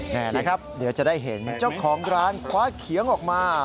นี่แหละครับเดี๋ยวจะได้เห็นเจ้าของร้านคว้าเขียงออกมา